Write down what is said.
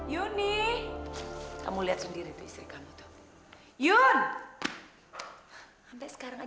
yaudah yaudah kamu jangan sedih dong ya